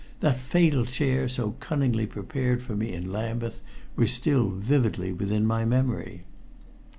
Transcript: That fatal chair so cunningly prepared for me in Lambeth was still vividly within my memory.